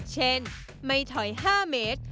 เช่นไม่ถอย๕เมตร